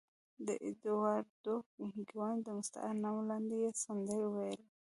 د اېډوارډو ګیواني تر مستعار نامه لاندې یې سندرې ویلې.